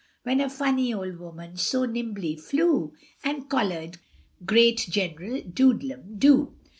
When a funny old woman so nimbly flew, And collared great General Doodlem doo.